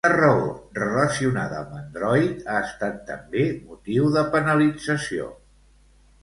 Quina raó relacionada amb Android ha estat també motiu de penalització?